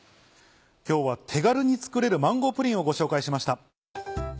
今日は手軽に作れるマンゴープリンをご紹介しました。